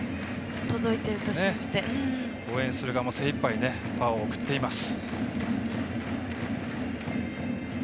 応援する側も精いっぱいパワーを送っています。